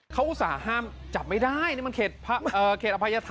เขาอุตส่าห์ห้ามจับไม่ได้นี่มันเขตอภัย